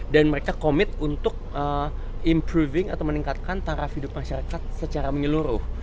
dan mereka komit untuk improving atau meningkatkan taraf hidup masyarakat secara menyeluruh